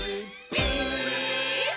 ピース！」